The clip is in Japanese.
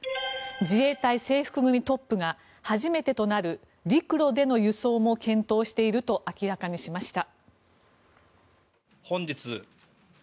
自衛隊制服組トップが初めてとなる陸路での輸送も検討していると明らかにしました。